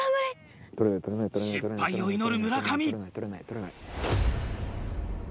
失敗を祈る村上。